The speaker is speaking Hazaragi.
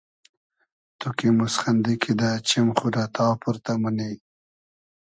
تو کی موسخئندی کیدہ چیم خو رۂ تا پۉرتۂ مونی